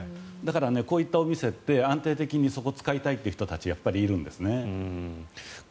だから、こういうお店って安定的にそこを使いたいという人がいるんですよね。